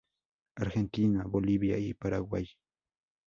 Argentina, Bolivia y Paraguay.